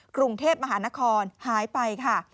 กรุงเทพมหานครหายไปค่ะ